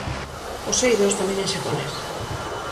Os Eidos, tamén en xaponés.